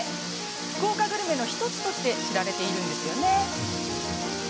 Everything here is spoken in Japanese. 福岡グルメの１つとして知られているんですよね。